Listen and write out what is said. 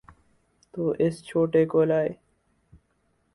تو اس چھوٹے کو لائیے۔